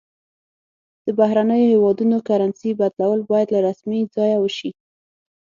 د بهرنیو هیوادونو کرنسي بدلول باید له رسمي ځایه وشي.